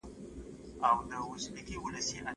ميرمن د ګډ ژوند د ختمولو لپاره د خلعي حق لري.